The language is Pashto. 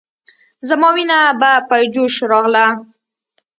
زما وينه به په جوش راغله.